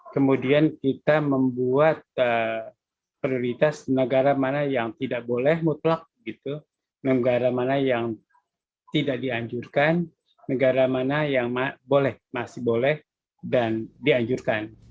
kemudian kita membuat prioritas negara mana yang tidak boleh mutlak gitu negara mana yang tidak dianjurkan negara mana yang boleh masih boleh dan dianjurkan